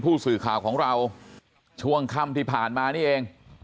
ผู้สื่อข่าวของเราช่วงค่ำที่ผ่านมานี่เอง